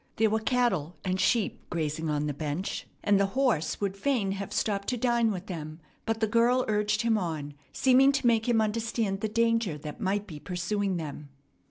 There were cattle and sheep grazing on the bench, and the horse would fain have stopped to dine with them; but the girl urged him on, seeming to make him understand the danger that might be pursuing them.